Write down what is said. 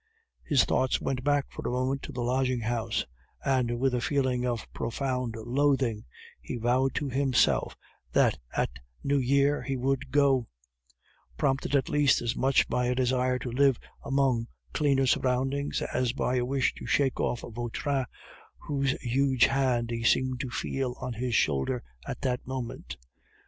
His thoughts went back for a moment to the lodging house, and with a feeling of profound loathing, he vowed to himself that at New Year he would go; prompted at least as much by a desire to live among cleaner surroundings as by a wish to shake off Vautrin, whose huge hand he seemed to feel on his shoulder at that moment.